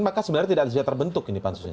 maka sebenarnya tidak bisa terbentuk ini pansusnya